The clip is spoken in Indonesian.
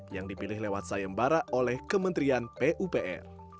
yang dipilih lewat sayembara oleh kementerian pupr